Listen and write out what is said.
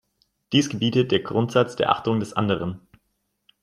Dies gebietet der Grundsatz der Achtung des Anderen.